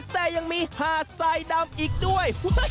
แต่ยังมีหาดทรายดำอีกด้วย